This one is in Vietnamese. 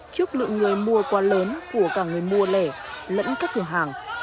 trước lượng người mua quá lớn của cả người mua lẻ lẫn các cửa hàng